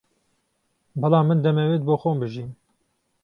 بەڵام من دەمەوێت بۆ خۆم بژیم